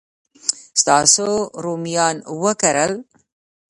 تاسو رومیان وکرل؟